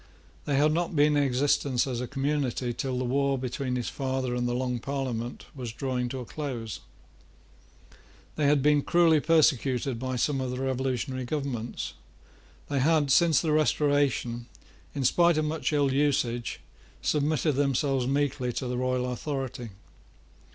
They had not been in existence as a community till the war between his father and the Long Parliament was drawing towards a close. They had been cruelly persecuted by some of the revolutionary governments. They had, since the Restoration, in spite of much ill usage, submitted themselves meekly to the royal authority.